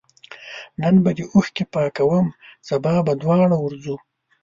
نن به دي اوښکي پاکوم سبا به دواړه ورځو